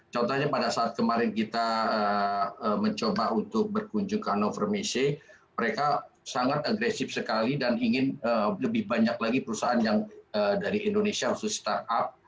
contohnya pada saat kemarin kita mencoba untuk berkunjung ke hannover messe mereka sangat agresif sekali dan ingin lebih banyak lagi perusahaan yang dari indonesia khusus startup